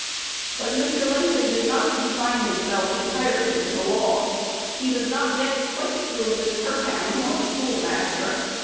But Mr. Lincoln did not confine himself entirely to the law. He was not yet quite through with Kirkham nor the schoolmaster.